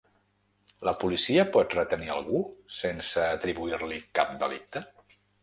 La policia pot retenir algú sense atribuir-li cap delicte?